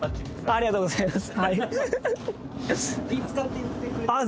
ありがとうございます。